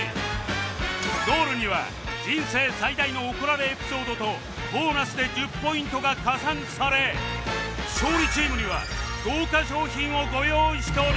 ゴールには人生最大の怒られエピソードとボーナスで１０ポイントが加算され勝利チームには豪華賞品をご用意しております